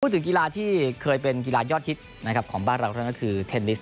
พูดถึงกีฬาที่เคยเป็นกีฬายอดฮิตของบ้านเราก็คือเทนนิส